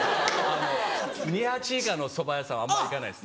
二八以下のそば屋さんはあんまり行かないです。